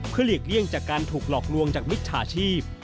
เพื่อหลีกเลี่ยงจากการถูกหลอกลวงจากมิจฉาชีพ